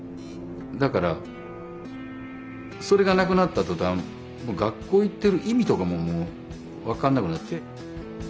だからそれがなくなった途端学校行ってる意味とかももう分かんなくなって。